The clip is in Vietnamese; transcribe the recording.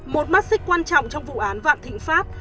một mắt xích quan trọng trong vụ án vạn thịnh pháp